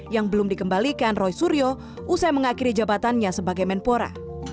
yang belum dikembalikan roy suryo usai mengakhiri jabatannya sebagai menpora